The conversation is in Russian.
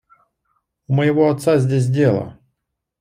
У моего отца здесь дело.